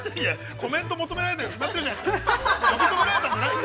◆コメント求められているに決まっているじゃないですか。